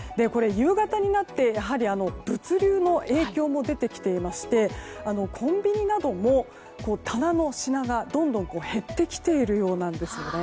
夕方になって物流の影響も出てきていましてコンビニなどの棚の品がどんどん減ってきているようなんです。